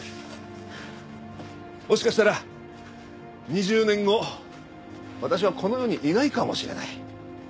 もしかしたら２０年後私はこの世にいないかもしれない。